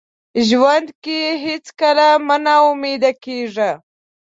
ژوند کې هیڅکله مه ناامیده کیږه.